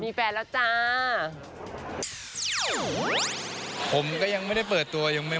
มีแฟนแล้วจ๊ะ